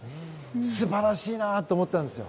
素晴らしいなって思ったんです。